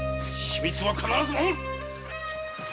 秘密は必ず守る。